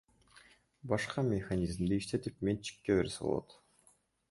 Башка механизмди иштетип, менчикке берсек болот.